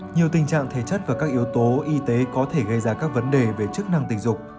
nhiều tình trạng thể chất và các yếu tố y tế có thể gây ra các vấn đề về chức năng tình dục